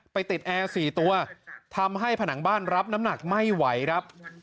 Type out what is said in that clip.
ติดแอร์๔ตัวทำให้ผนังบ้านรับน้ำหนักไม่ไหวครับ